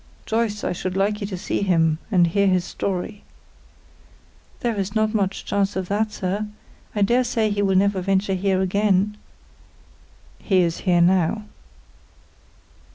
Joyce I should like you to see him and hear his story." "There is not much chance of that, sir. I dare say he will never venture here again." "He is here now."